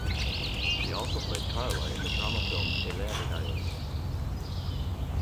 She also played Karla in the drama film "Pelea de Gallos".